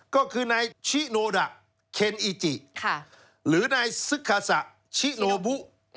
ก็คือนายชิโนดะเคนอีจิหรือนายซึคาสะชิโลบุ